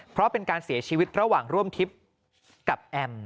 เพราะเป็นการเสียชีวิตระหว่างร่วมทิพย์กับแอม